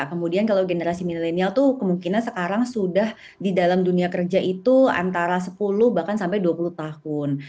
kemudian kalau generasi milenial itu kemungkinan sekarang sudah di dalam dunia kerja itu antara sepuluh bahkan sampai dua puluh tahun